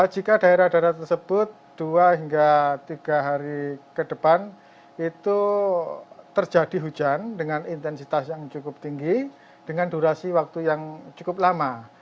jika daerah daerah tersebut dua hingga tiga hari ke depan itu terjadi hujan dengan intensitas yang cukup tinggi dengan durasi waktu yang cukup lama